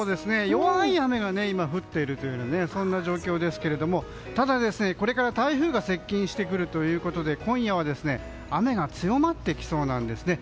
弱い雨が今降っているそんな状況ですけれどもこれから台風が接近してくるので今夜は雨が強まってきそうなんですね。